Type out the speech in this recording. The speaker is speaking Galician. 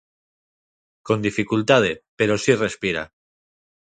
Con dificultade, pero si respira.